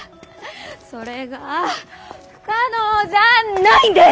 それが不可能じゃないんです！